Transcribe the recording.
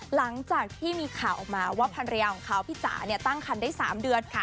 หลังจากที่มีข่าวออกมาว่าพันธุ์ระยะของเขาพี่จ๋าเนี่ยตั้งคันได้สามเดือนค่ะ